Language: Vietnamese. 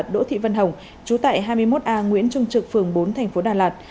đỗ thị vân hồng trú tại hai mươi một a nguyễn trung trực phường bốn tp đà lạt